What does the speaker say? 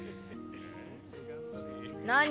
何？